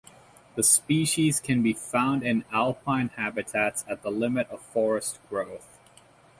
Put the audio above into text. The species can be found in alpine habitats at the limit of forest growth.